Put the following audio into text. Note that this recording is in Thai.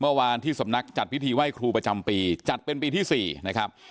เมื่อวานที่สำนักจัดพิธีไหว้ครูประจำปีจัดเป็นปีที่๔นะครับ